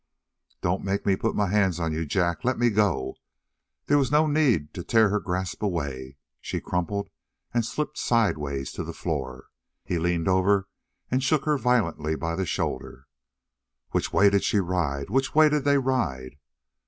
"Don't make me put my hands on you, Jack. Let me go!" There was no need to tear her grasp away. She crumpled and slipped sidewise to the floor. He leaned over and shook her violently by the shoulder. "Which way did she ride? Which way did they ride?"